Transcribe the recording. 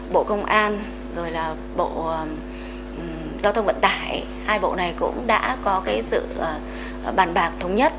bộ công an bộ giao thông vận tải hai bộ này cũng đã có sự bàn bạc thống nhất